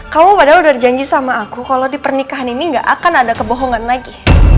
kamu padahal udah janji sama aku kalau di pernikahan ini gak akan ada kebohongan lagi